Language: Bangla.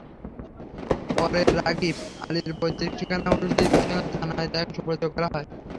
পরে রাগীব আলীর পৈতৃক ঠিকানা অনুযায়ী বিশ্বনাথ থানায় তাঁকে সোপর্দ করা হয়।